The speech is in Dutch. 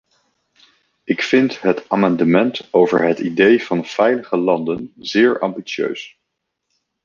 Ik vind het amendement over het idee van veilige landen zeer ambitieus.